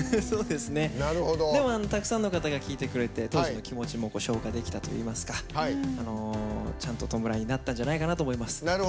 でも、たくさんの方が聴いてくれて当時の気持ちも消化できたといいますかちゃんと弔いになったんじゃないかなと思います。